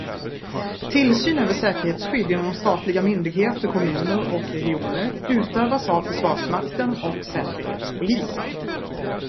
Tillsyn över säkerhetsskydd inom statliga myndigheter, kommuner och regioner utövas av Försvarsmakten och Säkerhetspolisen.